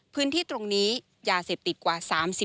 พื้นที่ตรงนี้ยาเสพติดกว่า๓๐